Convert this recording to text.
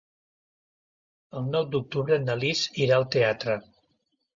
El nou d'octubre na Lis irà al teatre.